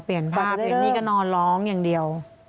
เปลี่ยนภาพอย่างนี้ก็นอนร้องอย่างเดียว